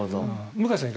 向井さん